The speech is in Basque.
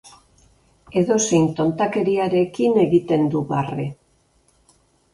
Edozein tontakeriarekin egiten du barre.